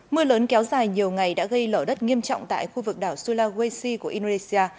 mưa lớn kéo dài nhiều ngày đã gây lở đất nghiêm trọng tại khu vực đảo sulawesi của indonesia